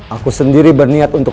aku sendiri berniat untuk